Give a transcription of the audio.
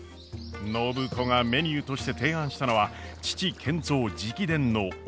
暢子がメニューとして提案したのは父賢三直伝の沖縄そば！